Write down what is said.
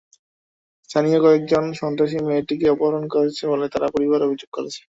স্থানীয় কয়েকজন সন্ত্রাসী মেয়েটিকে অপহরণ করেছে বলে তার পরিবার অভিযোগ করেছে।